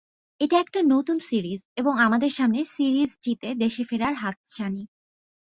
এটা একটা নতুন সিরিজ এবং আমাদের সামনে সিরিজ জিতে দেশে ফেরার হাতছানি।